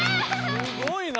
すごいな。